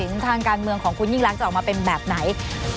และก็คุณทนาย